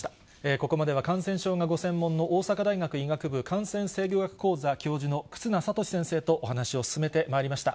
ここまでは感染症がご専門の大阪大学医学部感染制御学講座教授の忽那賢志先生とお話を進めてまいりました。